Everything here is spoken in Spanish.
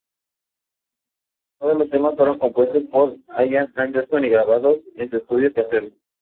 Todos los temas fueron compuestos por Ian Anderson y grabados en su estudio casero.